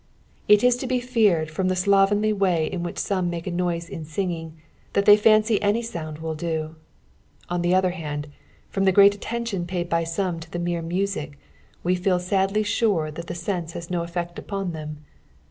It is to be feared from the eluvrnly wa; in which some make a noise in singing, that thej fancy any BODnd will do. On the otiier hand, from the great atteotion paid by Bonie to the mere music, we feel aadly sure that tlie sense has no effect upon them.